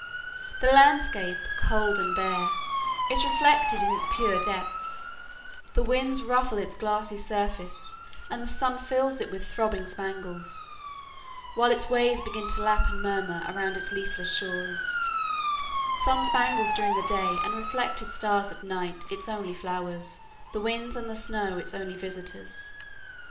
The landscape, cold and bare, is reflected in its pure depths; the winds ruffle its glassy surface, and the sun fills it with throbbing spangles, while its waves begin to lap and murmur around its leafless shores,—sun spangles during the day and reflected stars at night its only flowers, the winds and the snow its only visitors.